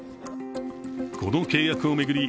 この契約を巡り